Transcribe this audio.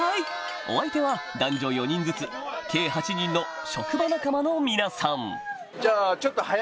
お相手は男女４人ずつ計８人の職場仲間の皆さんじゃあ。